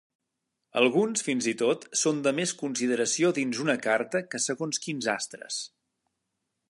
Alguns, fins i tot, són de més consideració dins una carta que segons quins astres.